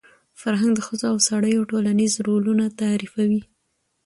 فرهنګ د ښځو او سړیو ټولنیز رولونه تعریفوي.